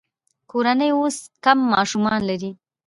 کورنۍ اوس کم ماشومان لري.